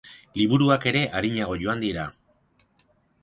Liburuak are arinago joan dira.